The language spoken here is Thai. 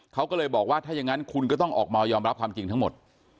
เขาก็เลยบอกว่าถ้าอย่างนั้นคุณก็ต้องออกมายอมรับความจริงทั้งหมด